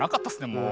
もう。